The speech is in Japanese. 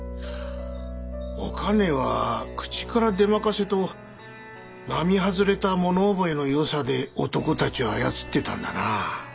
お兼は口から出任せと並外れた物覚えのよさで男たちを操ってたんだなぁ。